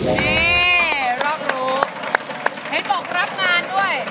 เห็นบอกรับงานด้วย